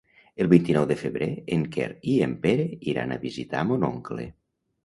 El vint-i-nou de febrer en Quer i en Pere iran a visitar mon oncle.